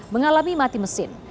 mengalami mati mesin